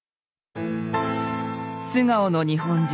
「素顔の日本人」。